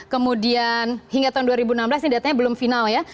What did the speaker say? kemudian hingga tahun dua ribu enam belas ini datanya belum final ya